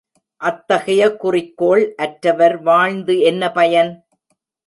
அத்தகைய குறிக்கோள் அற்றவர் வாழ்ந்து என்ன பயன்?